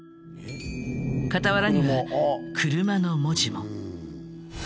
傍らには「車」の文字も。